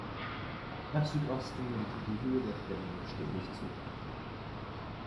Nach Südosten nimmt die Höhe der Kämme stetig zu.